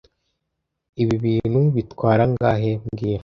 Ibi bintu bitwara angahe mbwira